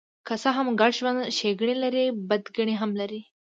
که څه هم ګډ ژوند ښېګڼې لري، بدګڼې هم لري.